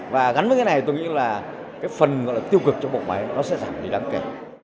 và gắn với cái này tôi nghĩ là cái phần gọi là tiêu cực trong bộ máy nó sẽ giảm đi đáng kể